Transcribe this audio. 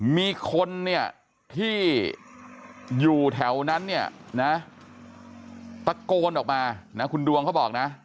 มีคนเนี่ยที่อยู่แถวนั้นเนี่ยนะตะโกนออกมานะคุณดวงเขาบอกนะ